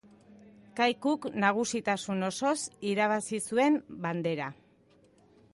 Kaikuk nagusitasun osoz irabazi zuen Bandera.